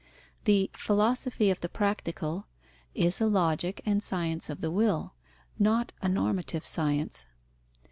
The Philosophy of the Practical is a logic and science of the will, not a normative science.